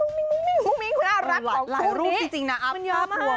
คุณรักของคุณนี้มันเยอะมากคุณผู้ชมหลายรูปจริงนะอัพ